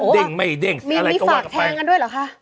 เด้งไหมเด้งอะไรก็ว่ากันไปมีฝากแทงกันด้วยเหรอคะ